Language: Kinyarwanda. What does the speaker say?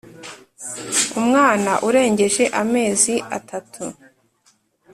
Umwana urengeje amezi atatu